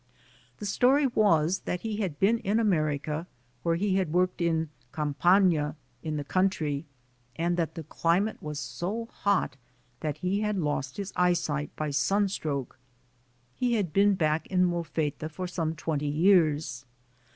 The story was that he had been in America, where he had worked "in campagna" in the country and that the climate was so hot that he had lost his eye sight by sun stroke. He had been back in Molfetta for some twenty years.